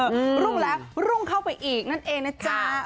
รุ่งแล้วรุ่งเข้าไปอีกนั่นเองนะจ๊ะ